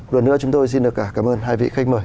lần nữa chúng tôi xin được cảm ơn hai vị khách mời